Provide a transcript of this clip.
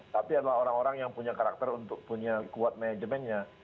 tapi adalah orang orang yang punya karakter untuk punya quote managementnya